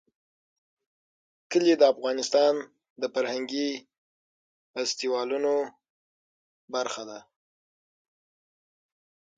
کلي د افغانستان د فرهنګي فستیوالونو برخه ده.